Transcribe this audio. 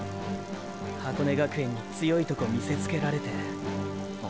箱根学園に強いとこ見せつけられて。